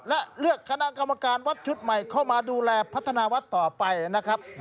และเลือกคณะกรรมการวัดชุดใหม่เข้ามาดูแลพัฒนาวัดต่อไปนะครับ